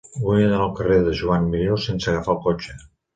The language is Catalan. Vull anar al carrer de Joan Miró sense agafar el cotxe.